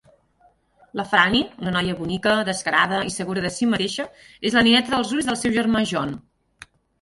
La Franny, una noia bonica, descarada i segura de si mateixa, és la nineta dels ulls del seu germà John.